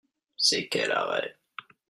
C'est quel arrêt ?